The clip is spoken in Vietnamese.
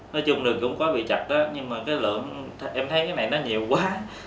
nói chung đường cũng có bị chặt đó nhưng mà cái lượng em thấy cái này nó nhiều quá